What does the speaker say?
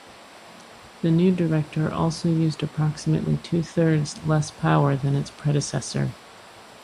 The new director also used approximately two thirds less power than its predecessor.